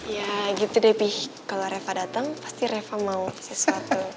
ya gitu deh pi kalo reva dateng pasti reva mau sesuatu